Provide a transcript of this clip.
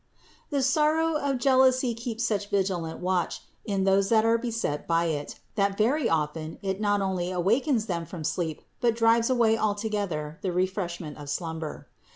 397. The sorrow of jealousy keeps such vigilant watch in those that are beset by it, that very often it not only awakens them from sleep, but drives away altogether the refreshment of slumber.